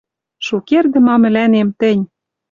Шукердӹ ма мӹлӓнем тӹнь